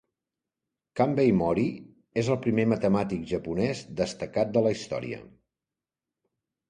Kambei Mori és el primer matemàtic japonès destacat de la història.